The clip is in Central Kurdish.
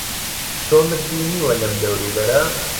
تۆمت بینیوە لەم دەوروبەرە؟